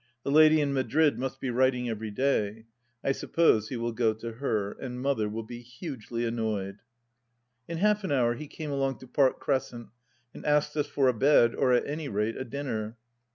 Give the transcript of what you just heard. The lady in Madrid must be writing every day. ... I suppose he will go to her. And Mother will be hugely annoyed. ... In half an hour he came along to Park Crescent and asked us for a bed, or at any rate a dinner.